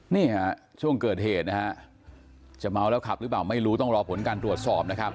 นี่ฮะช่วงเกิดเหตุนะฮะจะเมาแล้วขับหรือเปล่าไม่รู้ต้องรอผลการตรวจสอบนะครับ